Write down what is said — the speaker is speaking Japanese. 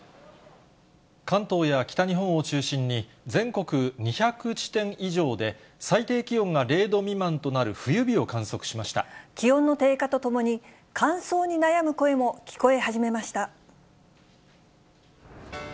関東や北日本を中心に、全国２００地点以上で最低気温が０度未満となる冬日を観測しまし気温の低下とともに、乾燥に悩む声も聞こえ始めました。